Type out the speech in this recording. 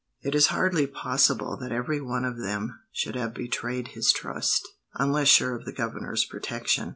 It is hardly possible that every one of them should have betrayed his trust, unless sure of the governor's protection.